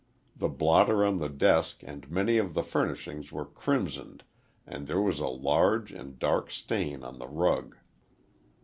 The blotter on the desk and many of the furnishings were crimsoned and there was a large and dark stain on the rug.